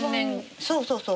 そうそうそう。